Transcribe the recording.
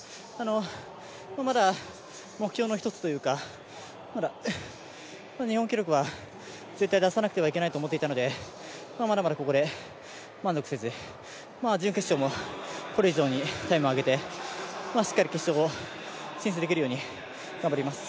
まだ目標の一つというか、まだ日本記録は絶対出さなくてはいけないと思っていたので、まだまだここで満足せず、準決勝もこれ以上にタイム上げて、しっかり決勝に進出できるように頑張ります。